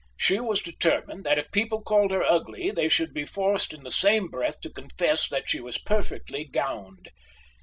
She was determined that if people called her ugly they should be forced in the same breath to confess that she was perfectly gowned.